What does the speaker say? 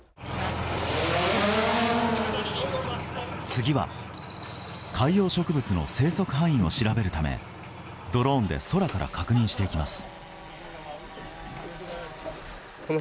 次は、海洋植物の生息範囲を調べるためドローンで空から確認していきます。